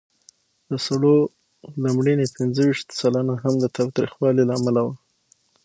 د سړو د مړینې پینځهویشت سلنه هم د تاوتریخوالي له امله وه.